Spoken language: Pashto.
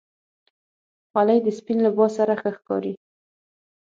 خولۍ د سپین لباس سره ښه ښکاري.